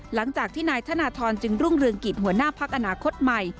หลังจากที่นายธนทรจึงรุ่งเรืองกิจหัวหน้าพักอนาคตใหม่